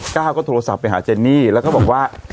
ก้าวก็โทรศัพท์ไปหาเจนี่แล้วก็บอกว่า